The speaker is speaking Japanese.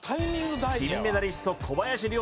金メダリスト小林陵